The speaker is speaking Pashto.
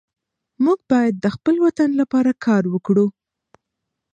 موږ باید د خپل وطن لپاره کار وکړو.